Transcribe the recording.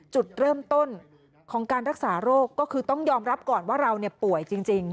จุดเริ่มต้นของการรักษาโรคก็คือต้องยอมรับก่อนว่าเราป่วยจริง